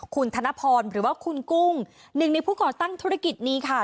คุณธนพรหรือว่าคุณกุ้งหนึ่งในผู้ก่อตั้งธุรกิจนี้ค่ะ